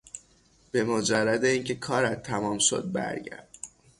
به مجرد اینکه کارت تمام شد برگرد.